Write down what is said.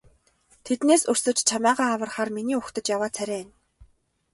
Тэднээс өрсөж чамайгаа аврахаар миний угтаж яваа царай энэ.